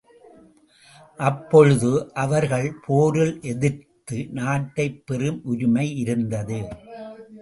அப்பொழுதே அவர்கள் போரில் எதிர்த்து நாட்டைப் பெறும் உரிமை இருந்தது.